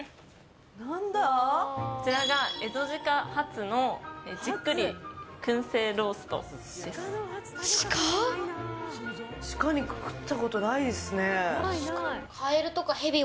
こちらがエゾ鹿ハツのじっくり燻製ローストです。